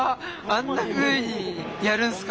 あんなふうにやるんすか？